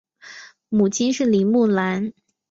母亲是林慕兰。